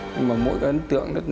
nhưng mà mỗi ấn tượng